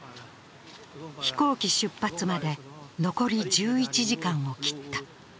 飛行機出発まで残り１１時間を切った。